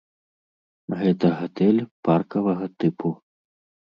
Гэта гатэль паркавага тыпу.